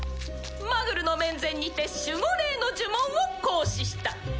「マグルの面前にて守護霊の呪文を行使した」